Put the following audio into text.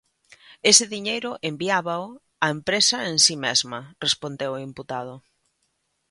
Ese diñeiro enviábao "a empresa en si mesma", respondeu o imputado.